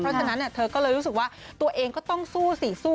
เพราะฉะนั้นเธอก็เลยรู้สึกว่าตัวเองก็ต้องสู้สิสู้